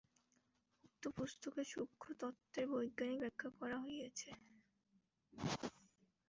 উক্ত পুস্তকে সূক্ষ্মতত্ত্বের বৈজ্ঞানিক ব্যাখ্যা করা হইয়াছে।